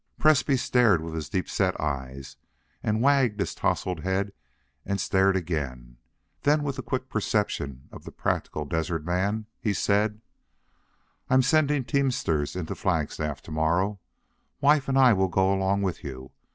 Presbrey stared with his deep set eyes and wagged his tousled head and stared again; then with the quick perception of the practical desert man he said: "I'm sending teamsters in to Flagstaff to morrow. Wife and I will go along with you.